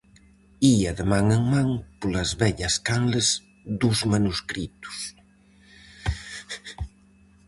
Ía de man en man polas vellas canles dos manuscritos.